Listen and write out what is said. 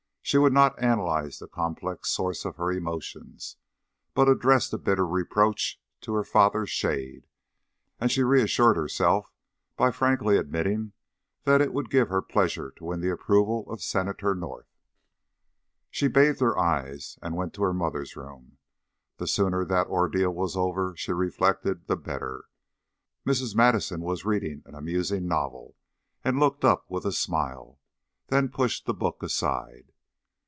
She would not analyze the complex source of her emotions, but addressed a bitter reproach to her father's shade; and she reassured herself by frankly admitting that it would give her pleasure to win the approval of Senator North. She bathed her eyes and went to her mother's room. The sooner that ordeal was over, she reflected, the better. Mrs. Madison was reading an amusing novel and looked up with a smile, then pushed the book aside.